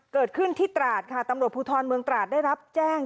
เกิดขึ้นที่ตราดค่ะตำรวจภูทรเมืองตราดได้รับแจ้ง